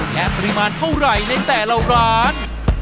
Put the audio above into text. และปริมาณเท่าไหร่ในแต่ละร้าน